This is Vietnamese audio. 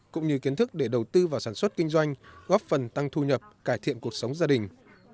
cũng như kiến thức để đầu tư vào sản xuất kinh doanh góp phần tăng thu nhập cải thiện cuộc sống gia đình